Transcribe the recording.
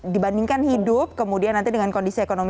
dibandingkan hidup kemudian nanti dengan kondisi ekonomi